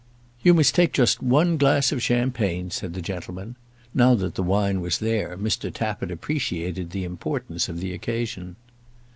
"You must take just one glass of champagne," said the gentleman. Now that the wine was there, Mr. Tappitt appreciated the importance of the occasion.